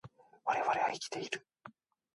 我々は生きている